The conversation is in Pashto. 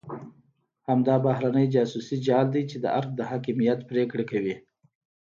همدا بهرنی جاسوسي جال دی چې د ارګ د حاکمیت پرېکړه کوي.